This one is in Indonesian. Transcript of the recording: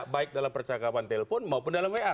baik dalam percakapan telpon maupun dalam wa